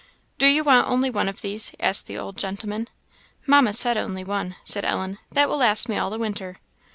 "Do you want only one of these?" asked the old gentleman. "Mamma said only one," said Ellen; "that will last me all the winter."